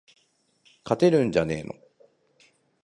勝てるんじゃねーの